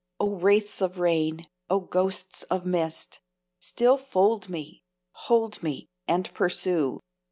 O wraiths of rain! O ghosts of mist! Still fold me, hold me, and pursue!